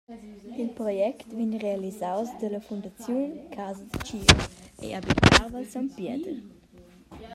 Il project vegn realisaus dalla Fundaziun casa da tgira e habitar Val Sogn Pieder.